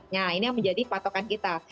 nah ini yang menjadi patokan kita